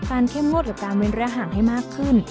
เข้มงวดกับการเว้นระยะห่างให้มากขึ้น